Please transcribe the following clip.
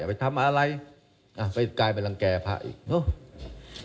ไปทำอะไรไปกลายเป็นรังแก่พระอีกเนอะ